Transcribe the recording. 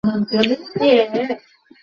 ইংরেজ কর্মচারীরা সকলেই চলে গেছে টেনিস খেলায়।